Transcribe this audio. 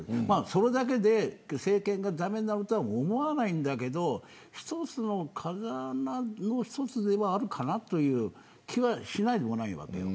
それだけで政権が駄目になるとは思わないけど一つの風穴にはなるかなという気はしないでもないわけ。